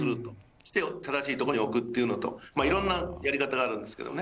それで正しい所に置くというのと、いろんなやり方があるんですけどね。